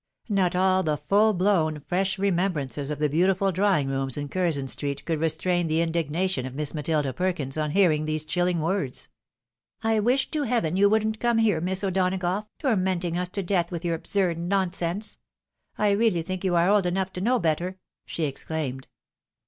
Not all the full blown, fresh remembrances of the beautiful drawing rooms in Curzon street could restrain the indignation of Miss Matilda Perkins on hearing these chilling words. " I vsdsh to heaven you wouldn't come here. Miss O'Donagough, tormenting us to death with your absurd nonsense. I really think you are old enough to know better," she exclaimed.